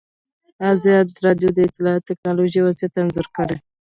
ازادي راډیو د اطلاعاتی تکنالوژي وضعیت انځور کړی.